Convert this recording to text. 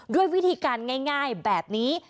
ด้วยวิธีการง่ายแบบนี้